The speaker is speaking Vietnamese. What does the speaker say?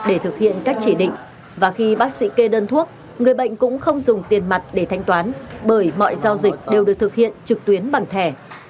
để thực hiện các chỉ định và khi bác sĩ kê đơn thuốc người bệnh cũng không dùng tiền mặt để thanh toán bởi mọi giao dịch đều được thực hiện trực tuyến bằng thẻ